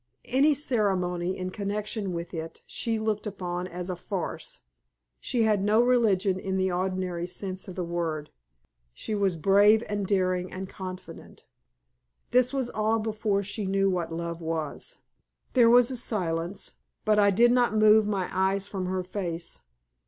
Any ceremony in connection with it she looked upon as a farce. She had no religion in the ordinary sense of the word. She was brave and daring and confident. This was all before she knew what love was." There was a silence, but I did not move my eyes from her face.